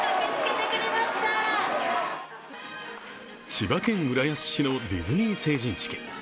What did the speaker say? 千葉県浦安市のディズニー成人式。